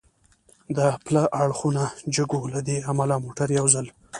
د پله اړخونه جګ و، له دې امله موټر یو ځل.